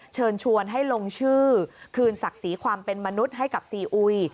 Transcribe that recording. เชิญชวนให้ลงชื่อคืนศักดิ์ศรีความเป็นมนุษย์ให้กับซีอุย